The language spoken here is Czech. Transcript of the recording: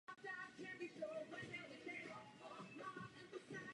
Zasedala i v řadě vládních výborů.